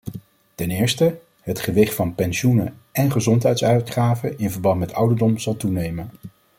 Ten eerste, het gewicht van pensioenen en gezondheidsuitgaven in verband met ouderdom zal toenemen.